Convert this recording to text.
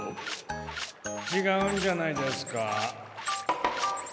ちがうんじゃないですか？